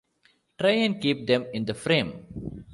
Try and keep them in the frame.